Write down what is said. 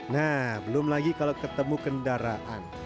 nah belum lagi kalau ketemu kendaraan